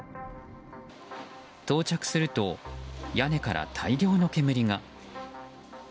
到着すると屋根から大量の煙が。